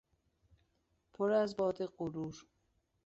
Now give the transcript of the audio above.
پر از باد غرور